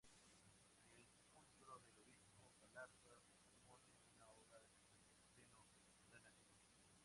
El sepulcro del obispo Galarza supone una obra de pleno Renacimiento.